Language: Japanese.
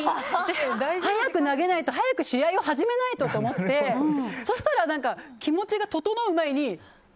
早く投げないと早く試合を始めないとと思ってそうしたら、気持ちが整う前に。